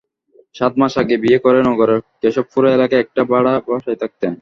সাত মাস আগে বিয়ে করে নগরের কেশবপুর এলাকায় একটা ভাড়া বাসায় থাকতেন।